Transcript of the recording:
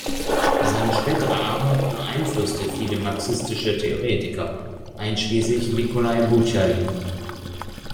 Seine spätere Arbeit beeinflusste viele marxistische Theoretiker, einschließlich Nikolai Bucharin.